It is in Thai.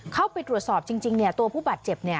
เข้าไปตรวจสอบจริงตัวผู้บาดเจ็บ